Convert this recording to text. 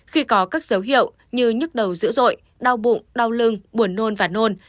khi có các dấu hiệu như nhức đầu dữ dội đau bụng đau lưng buồn nôn và nôn